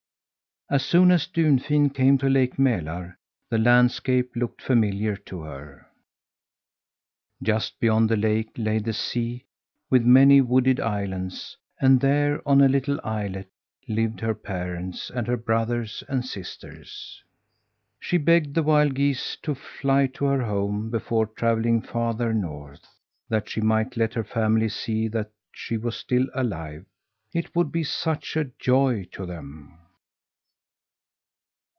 As soon as Dunfin came to Lake Mälar the landscape looked familiar to her. Just beyond the lake lay the sea, with many wooded islands, and there, on a little islet, lived her parents and her brothers and sisters. She begged the wild geese to fly to her home before travelling farther north, that she might let her family see that she was still alive. It would be such a joy to them.